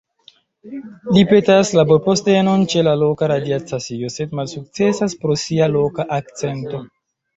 Li petas laborpostenon ĉe la loka radia stacio, sed malsukcesas pro sia loka akcento.